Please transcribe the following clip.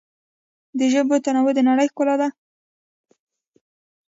د ژبو تنوع د نړۍ ښکلا ده.